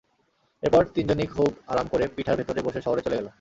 এরপর তিনজনই খুব আরাম করে পিঠার ভেতরে বসে শহরে চলে গেল।